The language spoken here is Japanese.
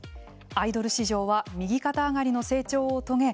アイドル市場は右肩上がりの成長を遂げ